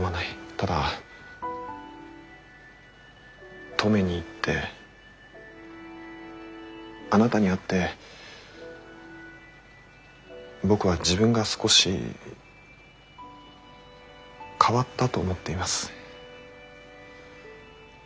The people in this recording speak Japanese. ただ登米に行ってあなたに会って僕は自分が少し変わったと思っています。